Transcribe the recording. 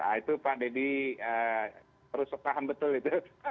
nah itu pak deddy harus paham betul itu